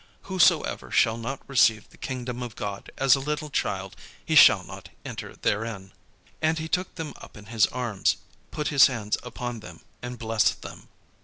Whosoever shall not receive the kingdom of God as a little child, he shall not enter therein." And he took them up in his arms, put his hands upon them, and blessed them.